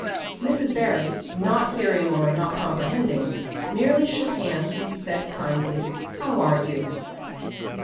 Mrs. Barry, not hearing or not comprehending, merely shook hands and said kindly: "How are you?"